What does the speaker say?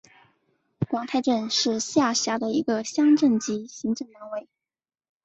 广太镇是下辖的一个乡镇级行政单位。